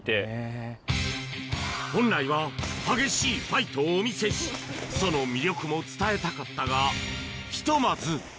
本来は激しいファイトをお見せし、その魅力も伝えたかったが、ひとまず。